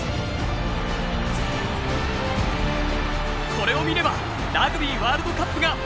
これを見ればラグビーワールドカップがもっと！